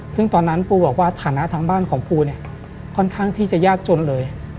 ซึ่งตอนนั้นปูบอกว่าฐานะทางบ้านของปูเนี่ยค่อนข้างที่จะยากจนเลย